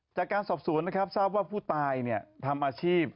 จากการสอบสวนนะครับทราบว่าผู้ตายทำอาชีพ